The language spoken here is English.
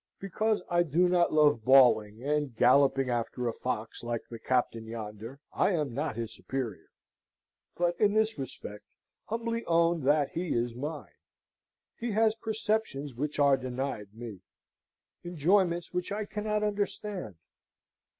Because I do not love bawling and galloping after a fox, like the captain yonder, I am not his superior; but, in this respect, humbly own that he is mine. He has perceptions which are denied me; enjoyments which I cannot understand.